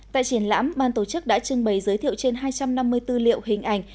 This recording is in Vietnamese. tại triển lãm ban tổ chức đã trưng bày giới thiệu trên hai trăm năm mươi tư liệu hình ảnh